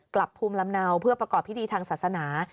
กลับภูมิลำเนาเพื่อประกอบพิธีทางศาสนา